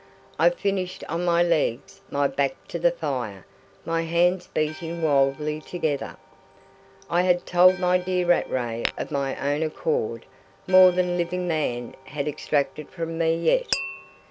I finished on my legs, my back to the fire, my hands beating wildly together. I had told my dear Rattray of my own accord more than living man had extracted from me yet.